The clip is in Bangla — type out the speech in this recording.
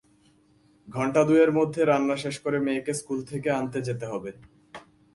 ঘণ্টা দুইয়ের মধ্যে রান্না শেষ করে মেয়েকে স্কুল থেকে আনতে যেতে হবে।